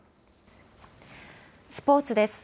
スポーツです。